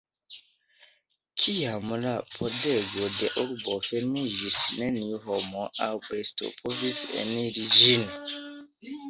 Kiam la pordego de la urbo fermiĝis, neniu homo aŭ besto povis eniri ĝin.